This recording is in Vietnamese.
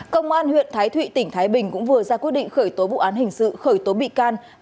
công an huyện thái thụy tỉnh thái bình cũng vừa ra quyết định khởi tố vụ án hình sự khởi tố bị can